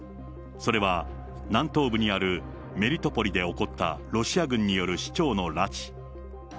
それは南東部にあるメリトポリで起こったロシア軍による市長の拉致。